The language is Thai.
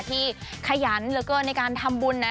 ที่ขยันแล้วก็ในการทำบุญนะ